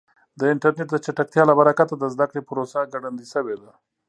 د انټرنیټ د چټکتیا له برکته د زده کړې پروسه ګړندۍ شوې ده.